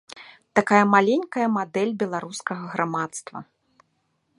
Такая маленькая мадэль беларускага грамадства.